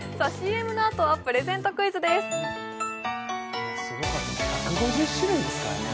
ＣＭのあとはプレゼントクイズですすごかったね